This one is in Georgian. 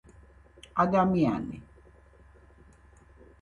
ადამიანი